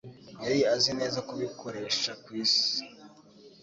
Yari azi neza kubikoresha kwisi